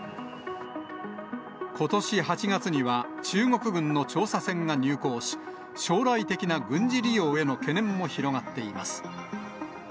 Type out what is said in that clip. ことし８月には、中国軍の調査船が入港し、将来的な軍事利用への懸念も広がっています。